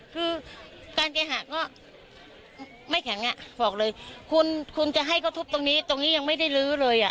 คือการเคหาก็ไม่แข็งอ่ะบอกเลยคุณคุณจะให้เขาทุบตรงนี้ตรงนี้ยังไม่ได้ลื้อเลยอ่ะ